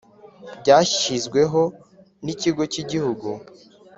byashyizweho n Ikigo cy Igihugu